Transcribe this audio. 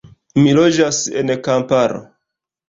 Mi loĝas en kamparo.